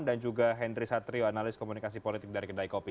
dan juga hendri satrio analis komunikasi politik dari kedai kopi